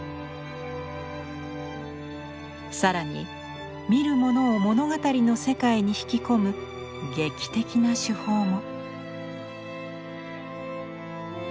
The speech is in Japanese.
更に見る者を物語の世界に引き込む劇的な手法も。